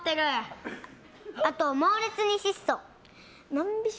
あと猛烈に質素。